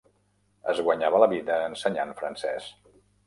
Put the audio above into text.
Es guanyava la vida ensenyant francès.